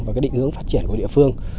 và cái định hướng phát triển của địa phương